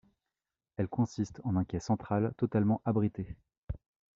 Elle consiste en un quai central totalement abrité.